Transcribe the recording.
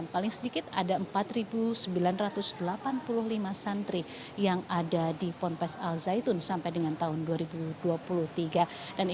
paling sedikit ada empat sembilan ratus delapan puluh lima